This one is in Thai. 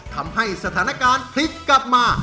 ทำให้สถานการณ์พลิกกลับมา